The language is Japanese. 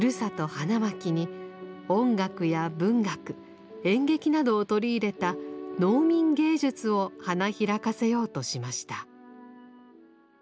花巻に音楽や文学演劇などを取り入れた「農民芸術」を花開かせようとしました。